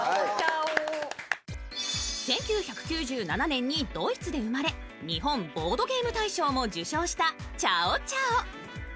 １９９７年にドイツで生まれ、日本ボードゲーム大賞も受賞したチャオチャオ。